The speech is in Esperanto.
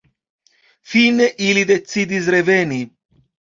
Fine ili decidis reveni.